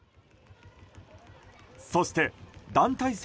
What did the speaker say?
そして団体戦